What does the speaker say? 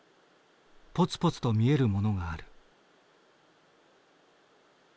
ポツポツと見えるものがある。